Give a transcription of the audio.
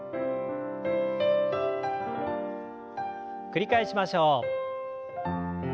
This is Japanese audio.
繰り返しましょう。